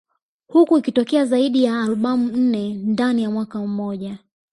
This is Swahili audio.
Huku ikitoa zaidi ya albamu nne ndani ya mwaka mmoja